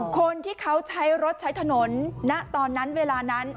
คนที่เขาใช้รถใช้ถนนณตอนนั้นเวลานั้น